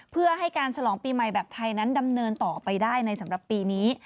เพื่อให้การฉลองปีใหม่แบบไทยนั้นดำเนินต่อไปได้ในสำหรับปีนี้